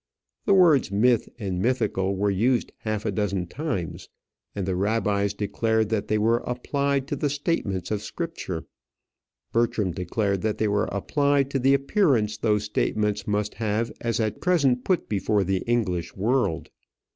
The words myth and mythical were used half a dozen times, and the rabbis declared that they were applied to the statements of Scripture. Bertram declared that they were applied to the appearance those statements must have as at present put before the English world.